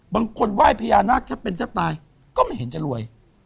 ไหว้พญานาคแค่เป็นเจ้าตายก็ไม่เห็นจะรวย